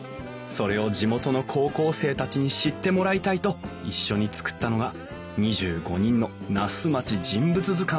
それを地元の高校生たちに知ってもらいたいと一緒に作ったのが２５人の「那須まち人物図鑑」。